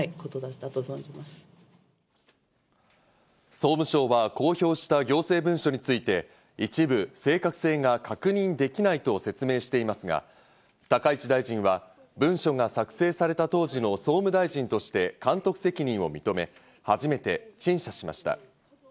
総務省は公表した行政文書について、一部、正確性が確認できないと説明していますが、高市大臣は文書が作成された当時の総務大臣として監督責任を認め、初めて陳謝しました。